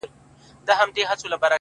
o پوهېږې په جنت کي به همداسي ليونی یم ـ